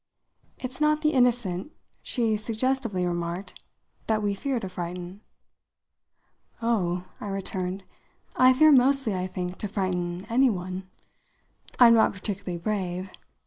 It's not the innocent," she suggestively remarked, "that we fear to frighten." "Oh," I returned, "I fear, mostly, I think, to frighten any one. I'm not particularly brave.